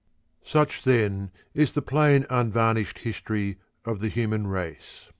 Such then is the plain unvarnished story of the human race.